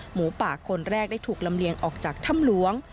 หมูป่าคนแรกได้ถูกลำเลียงออกจากถ้ำหลวง